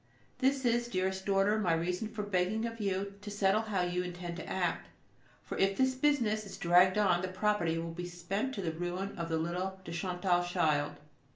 This is, dearest daughter, my reason for begging of you to settle how you intend to act, for if this business is dragged on, the property will be spent to the ruin of the little de Chantal child.